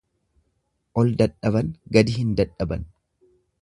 Ol dadhaban gadi hin dadhaban.